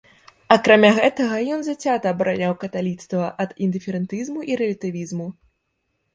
Акрамя гэтага, ён зацята абараняў каталіцтва ад індыферэнтызму і рэлятывізму.